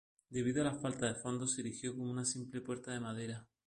Debido a la falta de fondos se erigió una simple puerta de madera.